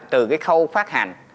từ cái khâu phát hành